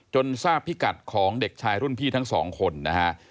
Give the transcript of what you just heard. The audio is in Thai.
จนทราบพิกัดของเด็กชายรุ่นพี่ทั้ง๒คนนะครับ